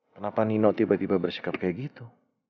kenapa nino tiba tiba bersikap kayak gitu